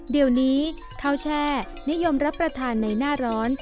เดี๋ยวนี้ข้าวแช่นิยมรับประทานในหน้าร้อน